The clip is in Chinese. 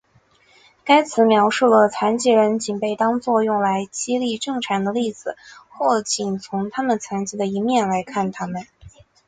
该词描述了残疾人仅被当做用来激励正常人的例子或仅从他们残疾的一面来看他们。